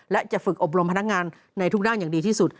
และจะฝึกอบรมพนักงานในทุกด้านอย่างดีที่สุด